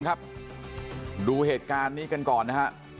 ครับดูเหตุการณ์นี้กันก่อนนะฮะ